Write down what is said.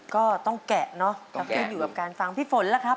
ก็ต้องแกะเนาะก็ขึ้นอยู่กับการฟังพี่ฝนล่ะครับ